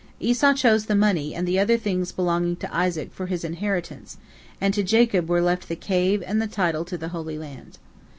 Esau chose the money and the other things belonging to Isaac for his inheritance, and to Jacob were left the Cave and the title to the Holy Land.